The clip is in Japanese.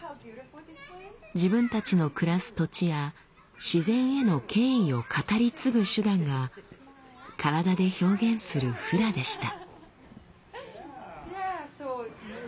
自分たちの暮らす土地や自然への敬意を語り継ぐ手段が体で表現するフラでした。